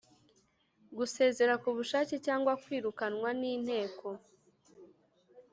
gusezera ku bushake cyangwa kwirukanwa n Inteko